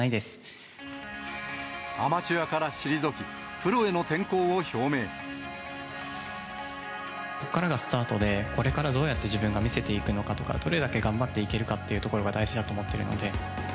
アマチュアから退き、プロへここからがスタートで、これからどうやって自分が見せていくのかとか、どれだけ頑張っていけるかというところが大事だと思ってるんで。